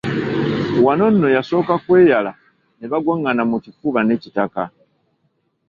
Wano nno yasooka kweyala ne bagwangana mu kifuba ne Kitaka.